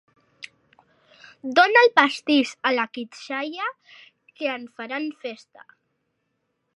Dona el pastís a la quitxalla, que en faran festa.